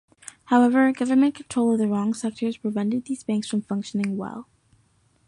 However, government control of the wrong sectors prevented these banks from functioning well.